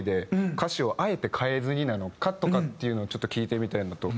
歌詞をあえて変えずになのかとかっていうのをちょっと聞いてみたいなと。